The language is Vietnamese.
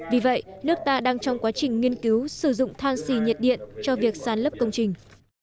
vì vậy nước ta đang trong quá trình nghiên cứu sử dụng than xì nhiệt điện cho việc sàn lấp công trình